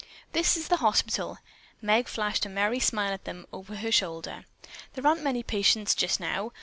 "This is the hospital." Meg flashed a merry smile at them over her shoulder. "There aren't many patients just now.